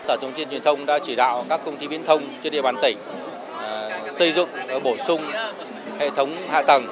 sở thông tin truyền thông đã chỉ đạo các công ty viễn thông trên địa bàn tỉnh xây dựng bổ sung hệ thống hạ tầng